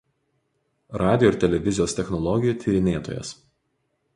Radijo ir televizijos technologijų tyrinėtojas.